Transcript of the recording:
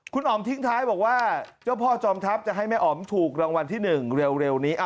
คุณอ๋อมทิ้งท้ายบอกว่าเจ้าพ่อจอมทัพจะให้แม่อ๋อมถูกรางวัลที่๑เร็วนี้